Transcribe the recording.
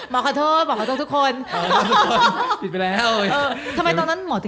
ไม่มีทางไม่ปิดหรอกแต่พอปิดเสร็จก็เอาเช็นน้ำตากูหน่อยละกัน